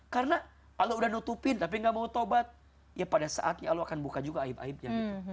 karena allah udah nutupin tapi nggak mau taubat ya pada saatnya allah akan buka juga aib aibnya